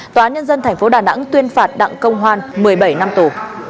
tòa án nhân dân tp đà nẵng tuyên phạt đặng công hoan một mươi bảy năm tù